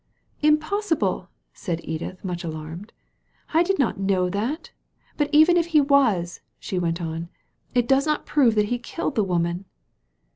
" Impossible 1 " said Edith, much alarmed. " I did not know that But even if he was," she went on, " it does not prove that he killed the woman."